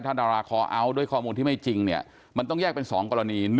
ถ้าดาราคอเอาท์ด้วยข้อมูลที่ไม่จริงเนี่ยมันต้องแยกเป็น๒กรณี